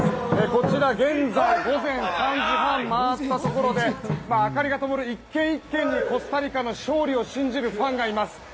こちら午前３時半を回ったところで明かりがともる１軒１軒にコスタリカの勝利を信じるファンがいます。